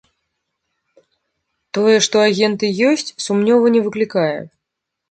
Тое, што агенты ёсць, сумневу не выклікае.